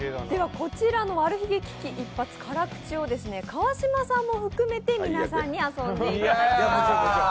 こちらのワルひげ危機一髪辛口を川島さんも含めて皆さんに遊んでいただきます。